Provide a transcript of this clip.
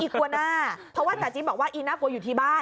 กลัวน่าเพราะว่าจ๋าจิ๊บบอกว่าอีน่ากลัวอยู่ที่บ้าน